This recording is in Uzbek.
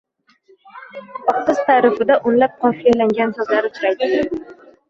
Oqqiz ta'rifida o'nlab qofiyalangan so'zlar uchraydi